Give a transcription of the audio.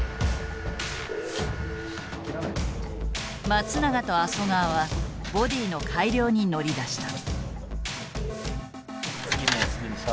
松永と麻生川はボディーの改良に乗り出した。